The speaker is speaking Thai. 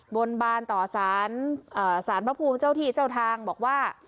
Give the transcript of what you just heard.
บนบานต่อสารสารพระภูมิเจ้าที่เจ้าทางบอกว่า